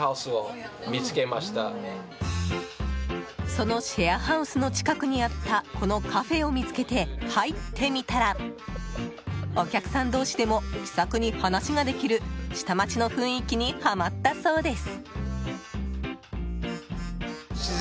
そのシェアハウスの近くにあったこのカフェを見つけて入ってみたらお客さん同士でも気さくに話ができる下町の雰囲気にはまったそうです。